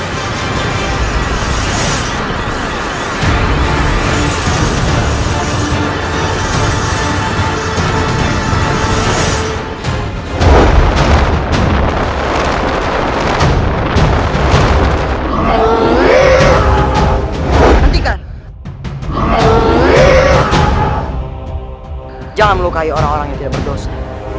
ku taatkan daging tahanan yang aman isi